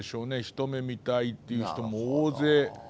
一目見たいっていう人も大勢。